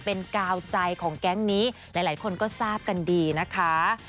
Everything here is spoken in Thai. เป็นกาวใจของแก๊งนี้หลายคนก็ทราบกันดีนะคะ